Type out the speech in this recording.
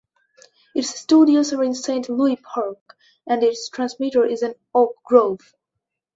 Its studios are in Saint Louis Park, and its transmitter is in Oak Grove.